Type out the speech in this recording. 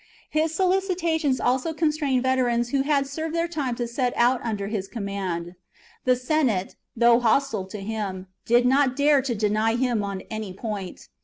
His solicitations also constrained veterans who had served their time to set out under his command. The Senate, though hostile to him, did not dare to deny him on any point.